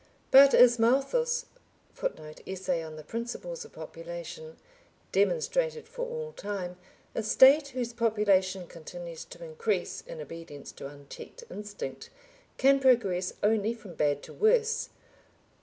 But as Malthus [Footnote: Essay on the Principles of Population.] demonstrated for all time, a State whose population continues to increase in obedience to unchecked instinct, can progress only from bad to worse.